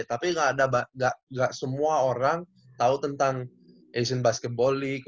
tapi gak semua orang tau tentang asian basketball league